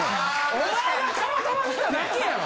お前がたまたま見ただけやろ。